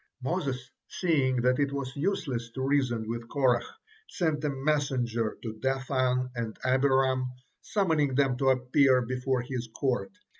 Moses, seeing that is was useless to reason with Korah, sent a messenger to Dathan and Abiram, summoning them to appear before his court.